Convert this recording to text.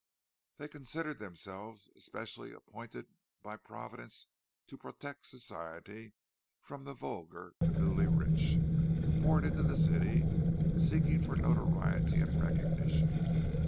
They considered themselves especially appointed by Providence to protect Society from the vulgar newly rich who poured into the city, seeking for notoriety and recognition.